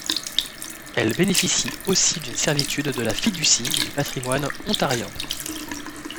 Elle bénéficie aussi d'une servitude de la fiducie du patrimoine ontarien.